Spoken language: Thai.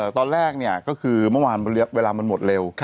ตอนแรกก็คือเมื่อวานเวลามันหมดเร็ว